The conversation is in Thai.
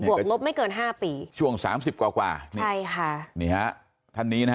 วกลบไม่เกินห้าปีช่วงสามสิบกว่ากว่านี่ใช่ค่ะนี่ฮะท่านนี้นะฮะ